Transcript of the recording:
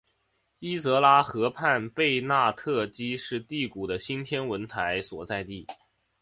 伊泽拉河畔贝纳特基是第谷的新天文台所在地。